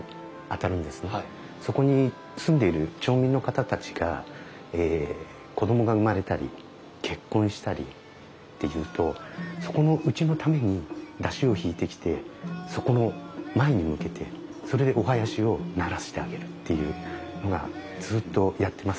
そこに住んでいる町民の方たちがえ子供が生まれたり結婚したりっていうとそこのうちのために山車を引いてきてそこの前に向けてそれでお囃子を鳴らしてあげるっていうのがずっとやってますね。